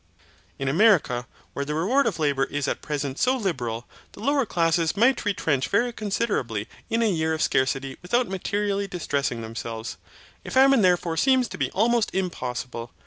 In America, where the reward of labour is at present so liberal, the lower classes might retrench very considerably in a year of scarcity without materially distressing themselves. A famine therefore seems to be almost impossible.